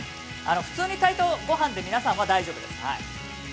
普通に炊いたごはんで皆さんは大丈夫です。